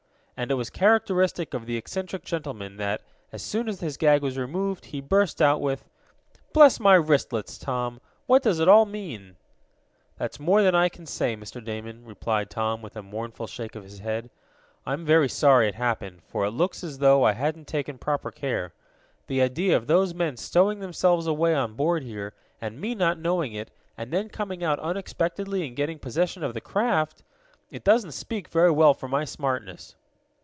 And it was characteristic of the eccentric gentleman that, as soon as his gag was removed he burst out with: "Bless my wristlets, Tom! What does it all mean?" "That's more than I can say, Mr. Damon," replied Tom, with a mournful shake of his head. "I'm very sorry it happened, for it looks as though I hadn't taken proper care. The idea of those men stowing themselves away on board here, and me not knowing it; and then coming out unexpectedly and getting possession of the craft! It doesn't speak very well for my smartness."